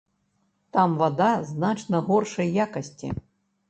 Там вада значна горшай якасці.